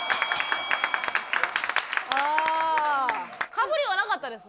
かぶりはなかったです。